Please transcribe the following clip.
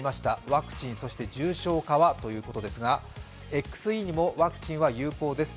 ワクチンそして重症化はということですがＸＥにもワクチンは有効です。